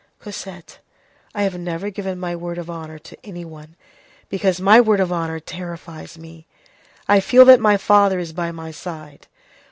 "Cosette, I have never given my word of honor to any one, because my word of honor terrifies me. I feel that my father is by my side.